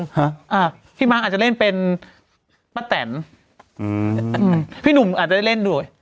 ฮะอ่าพี่มังอาจจะเล่นเพ็นประแต่นอืมอืมอ่าจะเล่นด้วย